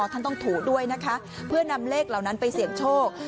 ท่านต้องถูด้วยนะคะเพื่อนำเลขเหล่านั้นไปเสี่ยงโชค